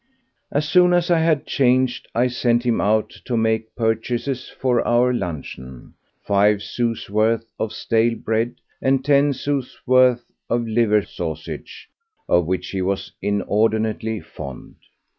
As soon as I had changed I sent him out to make purchases for our luncheon—five sous' worth of stale bread, and ten sous' worth of liver sausage, of which he was inordinately fond.